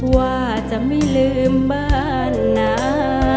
ว่าจะไม่ลืมบ้านนะ